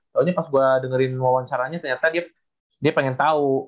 soalnya pas gue dengerin wawancaranya ternyata dia pengen tahu